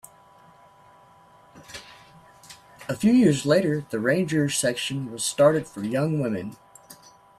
A few years later the Ranger section was started for young women.